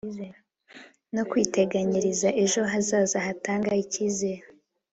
no kwiteganyiriza ejo hazaza hatanga icyizere